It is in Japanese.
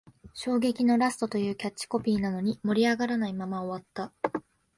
衝撃のラストというキャッチコピーなのに、盛り上がらないまま終わった